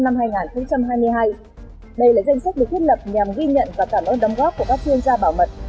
đây là danh sách được thiết lập nhằm ghi nhận và cảm ơn đóng góp của các chuyên gia bảo mật